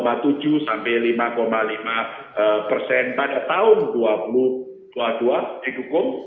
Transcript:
yaitu mencapai empat tujuh sampai lima lima persen pada tahun dua ribu dua puluh dua di dukung